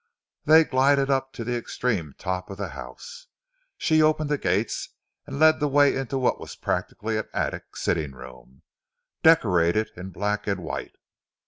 They glided up to the extreme top of the house. She opened the gates and led the way into what was practically an attic sitting room, decorated in black and white.